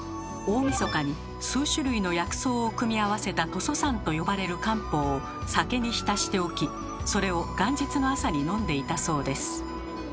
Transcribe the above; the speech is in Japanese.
大みそかに数種類の薬草を組み合わせた「屠蘇散」と呼ばれる漢方を酒に浸しておきそれを元日の朝に飲んでいたそうです。